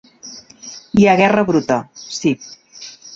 Hi ha guerra bruta, sí.